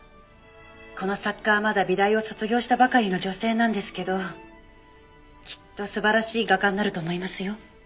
この作家はまだ美大を卒業したばかりの女性なんですけどきっと素晴らしい画家になると思いますよ。